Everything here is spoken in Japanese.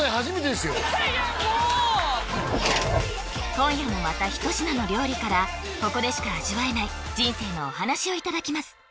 今夜もまた一品の料理からここでしか味わえない人生のお話をいただきます